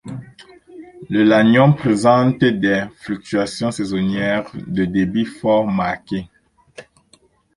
Le Lagnon présente des fluctuations saisonnières de débit fort marquées.